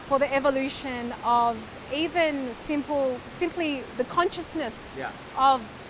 untuk pengembangan bahkan hanya kesadaran